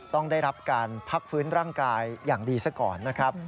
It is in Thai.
ต้องได้รับการพักฟื้นร่างกายอย่างดีซะก่อนนะครับ